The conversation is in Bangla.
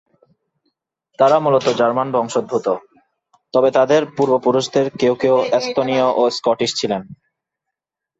তারা মূলত জার্মান বংশোদ্ভূত, তবে তাদের পূর্বপুরুষদের কেউ কেউ এস্তোনীয় ও স্কটিশ ছিলেন।